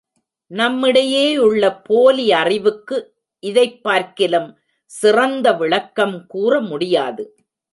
நம்மிடையேயுள்ள போலி அறிவுக்கு இதைப் பார்க்கிலும் சிறந்த விளக்கம் கூறமுடியாது.